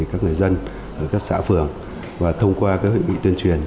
các người dân ở các xã phường và thông qua các hội nghị tuyên truyền